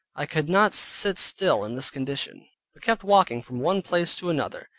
I could not sit still in this condition, but kept walking from one place to another.